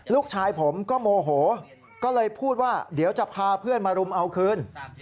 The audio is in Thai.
ลูกชายผมก็โมโหก็เลยพูดว่าเดี๋ยวจะพาเพื่อนมารุมเอาคืน